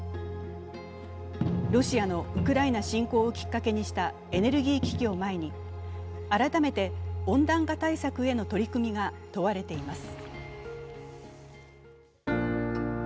ロシアのウクライナ侵攻をきっかけにしたエネルギー危機を前に改めて温暖化対策への取り組みが問われています。